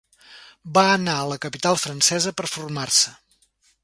Va anar a la capital francesa per a formar-se.